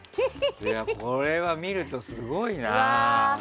これは見るとすごいな。